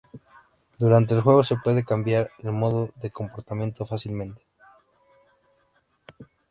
Durante el juego se puede cambiar el modo de comportamiento fácilmente.